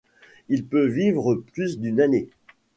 Il peut vivre plus d'une année.